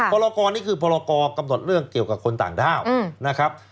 พรกรนี่คือพรกรกำหนดเรื่องเกี่ยวกับคนต่างด้าวนะครับ